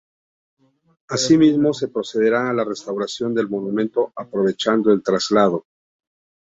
Asimismo, se procederá a la restauración del monumento aprovechando el traslado.